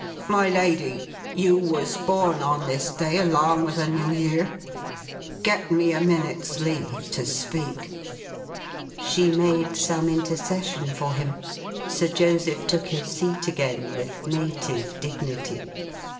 My Lady, you was born on this day along with a New Year. Get me a minute's leave to speak.' She made some intercession for him. Sir Joseph took his seat again, with native dignity.